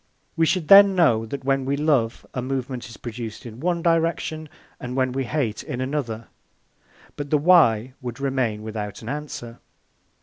We should then know that when we love, a movement is produced in one direction, and when we hate, in another. But the Why would remain without an answer."